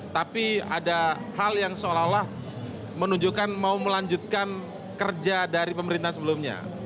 tapi ada hal yang seolah olah menunjukkan mau melanjutkan kerja dari pemerintahan sebelumnya